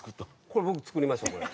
これ僕作りましたこれ。